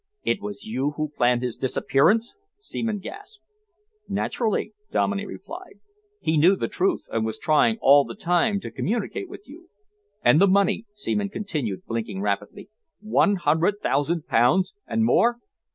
"It was you who planned his disappearance?" Seaman gasped. "Naturally," Dominey replied. "He knew the truth and was trying all the time to communicate with you." "And the money?" Seaman continued, blinking rapidly. "One hundred thousand pounds, and more?"